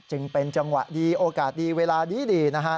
จึงเป็นจังหวะดีโอกาสดีเวลาดีนะฮะ